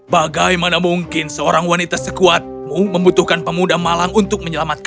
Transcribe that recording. bagaimana mungkin seorang wanita sekuatmu membutuhkan pemuda yang baik